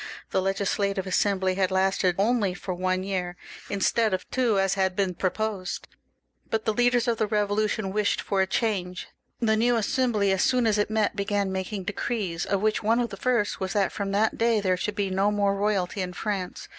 The Legislative Assembly had lasted only for one year, instead of two as had been proposed; but the leaders of the Eevolution wished for a change. The new Assembly, as soon as it met, began making decrees, of which one of the first was that from that day there should be no more royalty in France.